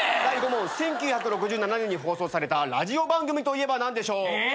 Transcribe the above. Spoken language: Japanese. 第５問１９６７年に放送されたラジオ番組といえば何でしょう？